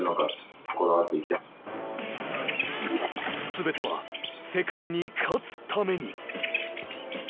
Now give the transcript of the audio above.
すべては世界に勝つために。